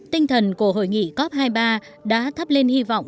tinh thần của hội nghị cop hai mươi ba đã thắp lên hy vọng